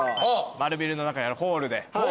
丸ビルの中にあるホールで。